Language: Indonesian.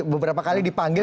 beberapa kali dipanggil